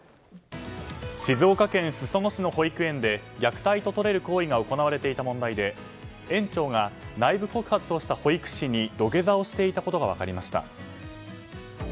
静岡県裾野市の保育園で虐待と取れる行為が行われていた問題で園長が内部告発をした保育士に土下座をしていたことが分かりました。